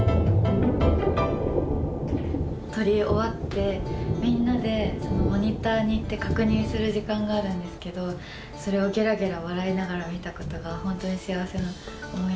撮り終わってみんなでモニターに行って確認する時間があるんですけどそれをげらげら笑いながら見たことが本当に幸せな思い出でした。